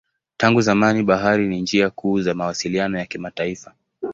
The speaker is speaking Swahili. Tangu zamani bahari ni njia kuu za mawasiliano ya kimataifa.